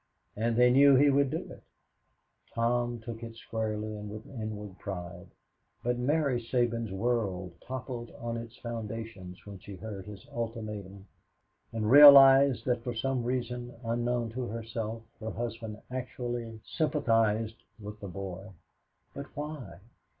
And they knew he would do it. Tom took it squarely and with inward pride, but Mary Sabins' world toppled on its foundations when she heard his ultimatum and realized that for some reason unknown to herself her husband actually sympathized with the boy. "But why?